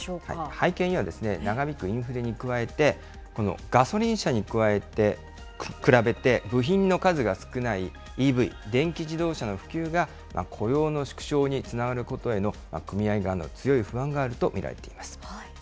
背景には長引くインフレに加えて、このガソリン車に比べて、部品の数が少ないＥＶ・電気自動車の普及が雇用の縮小につながることへの組合側の強い不安があると見られています。